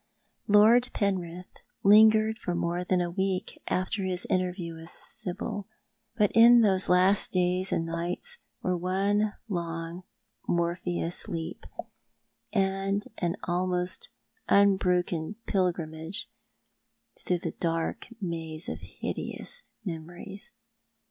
Lord Penrith lingered for more than a week after his inter view with Sibyl ; but those last days and nights were one long morphia sleep, and an almost unbroken pilgrimage through the dark maze of hideous memories.